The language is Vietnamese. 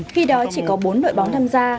khi đó chỉ có bốn đội bóng tham gia